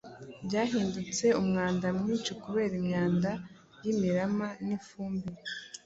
byahindutse umwanda mwinshi kubera imyanda yimirima n’ifumbire